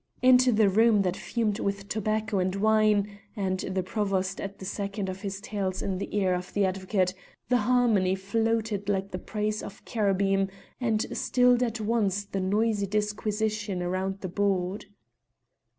Into the room that fumed with tobacco and wine (and the Provost at the second of his tales in the ear of the advocate) the harmony floated like the praise of cherubim, and stilled at once the noisy disquisition round the board.